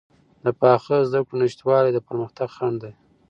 د پاخه زده کړو نشتوالی د پرمختګ خنډ دی.